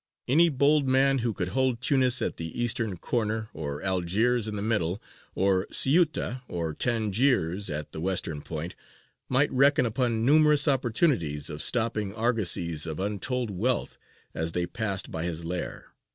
Any bold man who could hold Tunis at the eastern corner, or Algiers in the middle, or Ceuta or Tangiers at the western point, might reckon upon numerous opportunities of stopping argosies of untold wealth as they passed by his lair.